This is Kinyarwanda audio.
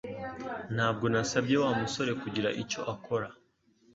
Ntabwo nasabye Wa musore kugira icyo akora